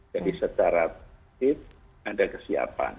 jadi secara fit ada kesiapan